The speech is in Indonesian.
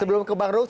sebelum ke bang luhut